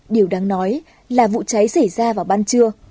điều đáng nói là vụ cháy xảy ra vào ban trưa